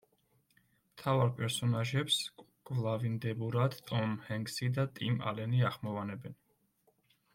მთავარ პერსონაჟებს კვლავინდებურად ტომ ჰენქსი და ტიმ ალენი ახმოვანებენ.